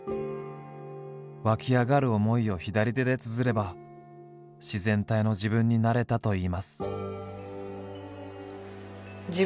湧き上がる思いを左手でつづれば自然体の自分になれたといいます。